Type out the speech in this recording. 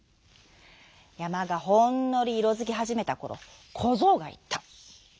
やまがほんのりいろづきはじめたころこぞうがいった。